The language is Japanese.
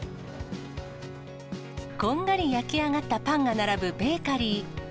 こんがり焼き上がったパンが並ぶベーカリー。